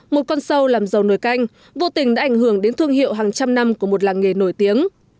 một con sâu làm dầu nồi canh vô tình đã ảnh hưởng đến thương hiệu hàng trăm năm của một làng nghề nổi tiếng